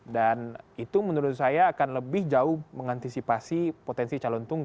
dan itu menurut saya akan lebih jauh mengantisipasi potensi calon yang lain